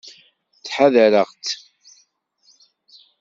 Ttḥadareɣ-tt.